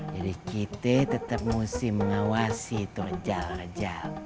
jadi kita tetep mesti mengawasi itu rejal rejal